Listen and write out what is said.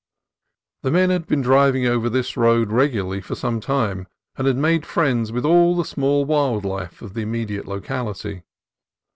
The men had been driving over this road regularly for some time, and had made friends with all the small wild life of the immediate locality.